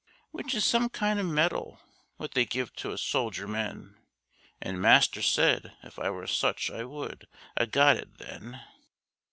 C.' Which is some kind a' medal what they give to soldier men; An' Master said if I were such I would 'a' got it then.